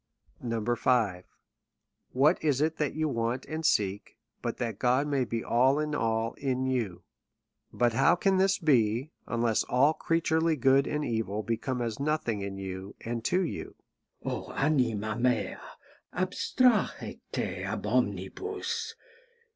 5. What is it that you want and seek, but that God may be all in all in you ? But how can this be, unless all creaturcly good and evil become as nothing in you and to you? " Oh anima mea, abstrahe te ab omnibus.